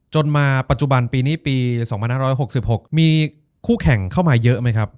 จนมาปัจจุบันปีนี้ปี๒๕๖๖มีคู่แข่งเข้ามาเยอะไหมครับ